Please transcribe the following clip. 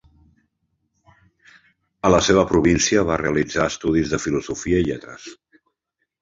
A la seva província va realitzar estudis de Filosofia i Lletres.